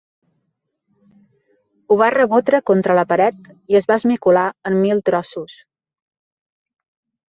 Ho va rebotre contra la paret i es va esmicolar en mil trossos.